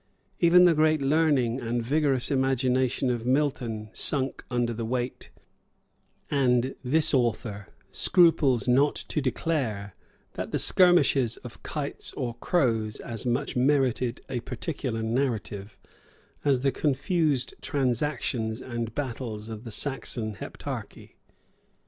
Even the great learning and vigorous imagination of Milton sunk under the weight; and this author scruples not to declare, that the skirmishes of kites or crows as much merited a particular narrative, as the confused transactions and battles of the Saxon Heptarchy.